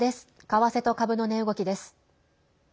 為替と株の値動きです。